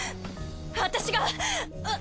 私がうっ。